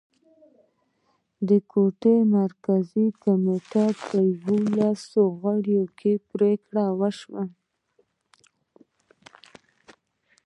د ګوند مرکزي کمېټې په یوولسمه غونډه کې پرېکړه وشوه.